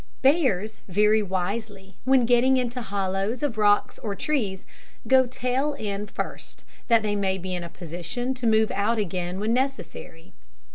Bears very wisely when getting into hollows of rocks or trees, go tail end first, that they may be in a position to move out again when necessary.